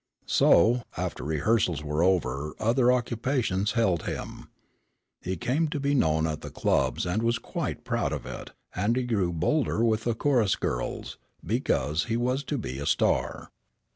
So, after rehearsals were over other occupations held him. He came to be known at the clubs and was quite proud of it, and he grew bolder with the chorus girls, because he was to be a star.